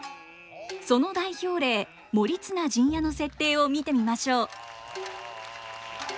その代表例「盛綱陣屋」の設定を見てみましょう。